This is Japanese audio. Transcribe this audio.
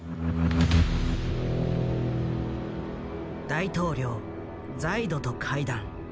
大統領ザイドと会談。